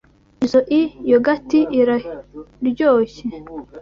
Izoi yogurt iraryoshye.